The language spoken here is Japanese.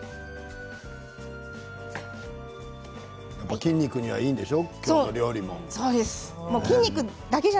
筋肉にもいいんでしょうこの料理は。